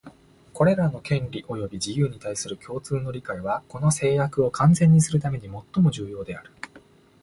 これらの権利及び自由に対する共通の理解は、この誓約を完全にするためにもっとも重要である